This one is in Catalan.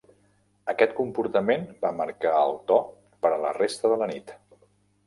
Aquest comportament va marcar el to per a la resta de la nit.